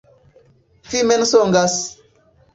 Vi mensogas!